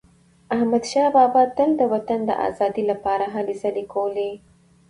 احمدشاه بابا تل د وطن د ازادی لپاره هلې ځلي کولي.